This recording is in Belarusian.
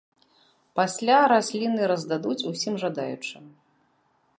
Пасля расліны раздадуць усім жадаючым.